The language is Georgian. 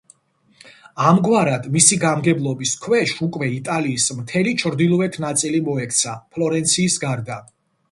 ამგვარად, მისი გამგებლობის ქვეშ უკვე იტალიის მთელი ჩრდილოეთ ნაწილი მოექცა, ფლორენციის გარდა.